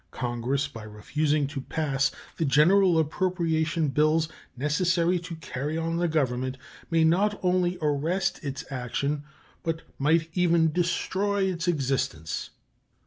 Congress, by refusing to pass the general appropriation bills necessary to carry on the Government, may not only arrest its action, but might even destroy its existence.